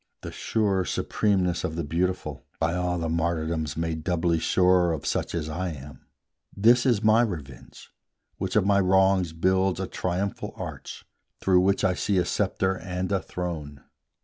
The sure supremeness of the Beautiful, By all the martyrdoms made doubly sure Of such as I am, this is my revenge, Which of my wrongs builds a triumphal arch, Through which I see a sceptre and a throne.